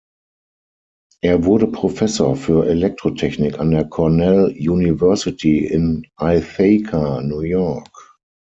Er wurde Professor für Elektrotechnik an der Cornell University in Ithaca, New York.